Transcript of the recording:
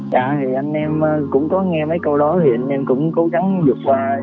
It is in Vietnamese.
trả thì anh em cũng có nghe mấy câu đó thì anh em cũng cố gắng vượt qua